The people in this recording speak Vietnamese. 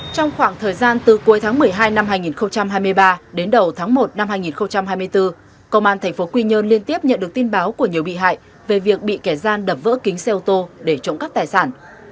trong khoảng thời gian từ cuối tháng một mươi hai năm hai nghìn hai mươi ba đến đầu tháng một năm hai nghìn hai mươi bốn công an tp quy nhơn liên tiếp nhận được tin báo của nhiều bị hại về việc bị kẻ gian đập vỡ kính xe ô tô để trộm cắp tài sản